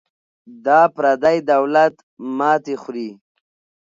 دا پردی دولت ماتې خوري.